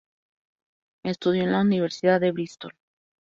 Estudió en la Universidad de Bristol.